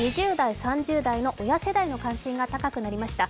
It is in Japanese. ２０代、３０代の親世代の関心が高くなりました。